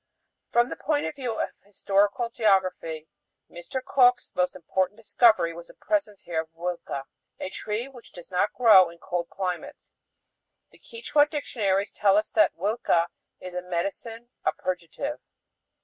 From the point of view of historical geography, Mr. Cook's most important discovery was the presence here of huilca, a tree which does not grow in cold climates. The Quichua dictionaries tell us huilca is a "medicine, a purgative."